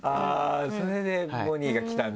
それでボニーが来たんだね。